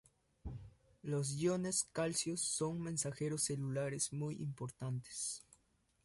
Los iones calcio son mensajeros celulares muy importantes.